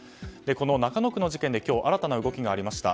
中野区の事件で今日新たな動きがありました。